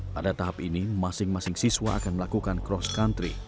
pada tahap ini masing masing siswa akan melakukan cross country